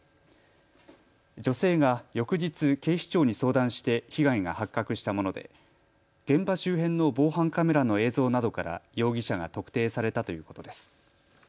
女性が翌日、警視庁に相談して被害が発覚したもので現場周辺の防犯カメラの映像などから容疑者が特定されたということです。